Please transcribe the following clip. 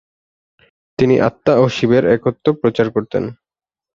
তিনি আত্মা ও শিবের একত্ব প্রচার করতেন।